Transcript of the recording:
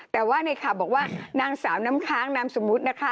แต่ว่าในข่าวบอกว่านางสาวน้ำค้างนามสมมุตินะคะ